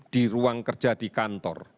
di ruang kerja di kantor